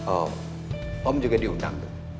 oh om juga diundang